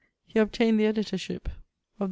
He obtained the editorship of the ".